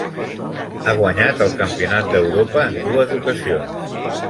Ha guanyat el campionat d'Europa en dues ocasions.